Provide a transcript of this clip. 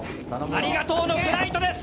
ありがとうのフライトです！